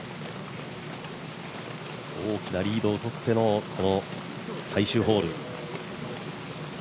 大きなリードを取っての最終ホール。